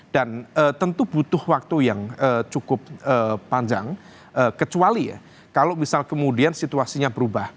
tentu butuh waktu yang cukup panjang kecuali ya kalau misal kemudian situasinya berubah